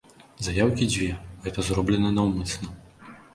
Заяўкі дзве, гэта зроблена наўмысна.